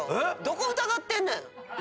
どこ疑ってんねん。